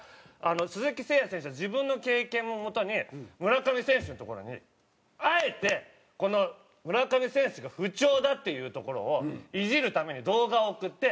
鈴木誠也選手は自分の経験をもとに村上選手のところにあえて村上選手が不調だっていうところをイジるために動画を送って。